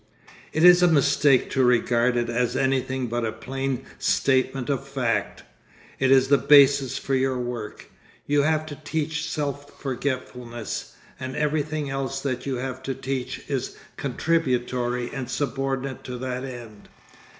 It is a mistake to regard it as anything but a plain statement of fact. It is the basis for your work. You have to teach self forgetfulness, and everything else that you have to teach is contributory and subordinate to that end.